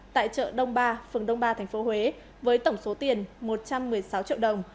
tại chợ đông ba phường đông ba tp huế với tổng số tiền một trăm một mươi sáu triệu đồng